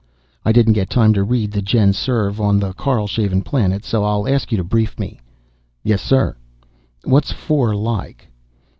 I didn't get time to read the GenSurv on the Karlshaven planets, so I'll ask you to brief me." "Yes, sir." "What's IV like?"